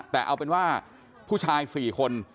แต่เอาเป็นว่าผู้ชาย๔คน